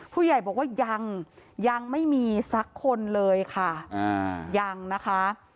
ผู้ใหญ่บอกว่ายังยังไม่มีสักคนเลยค่ะยังนะคะ